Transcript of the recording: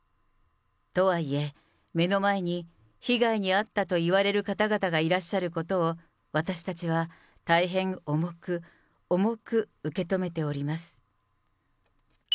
とはいえ、目の前に被害に遭ったといわれる方々がいらっしゃることを、私たちは大変重く、重く受け止めております。